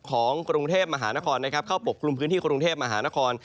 ของกรุงเทพมหานครนะครับเข้าปกคลุมพื้นที่กรุงเทพมหานคร